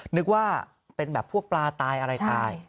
นึกว่าเป็นแบบพวกปลาตายอะไรตาย